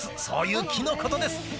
そういう木のことです。